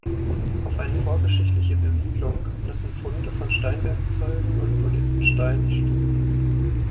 Auf eine vorgeschichtliche Besiedlung lassen Funde von Steinwerkzeugen und polierten Steinen schließen.